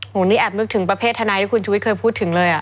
นี่แอบนึกถึงประเภททนายที่คุณชุวิตเคยพูดถึงเลย